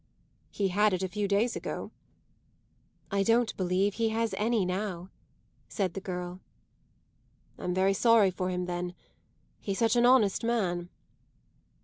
"He had it a few days ago." "I don't believe he has any now," said the girl. "I'm very sorry for him then; he's such an honest man."